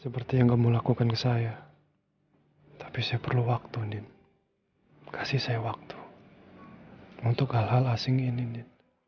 seperti yang kamu lakukan ke saya tapi saya perlu waktu kasih saya waktu untuk hal hal asing ini nih